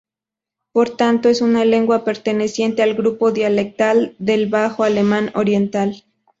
Por tanto, es una lengua perteneciente al grupo dialectal del bajo alemán oriental.